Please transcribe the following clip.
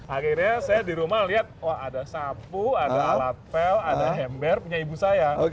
akhirnya saya di rumah lihat wah ada sapu ada alat pel ada hember punya ibu saya